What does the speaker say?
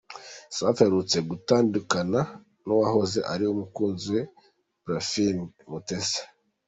Safi aherutse gutandukana n’uwahoze ari umukunzi we Parfine Mutesi.